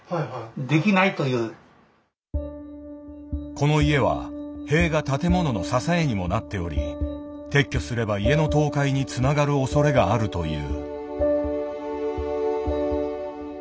この家は塀が建物の支えにもなっており撤去すれば家の倒壊につながるおそれがあるという。